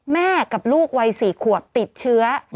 แม่กับลูกวัย๔ขวบติดเชื้อ